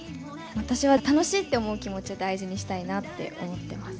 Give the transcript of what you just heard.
私は楽しいって思う気持ちを大事にしたいなって思ってます。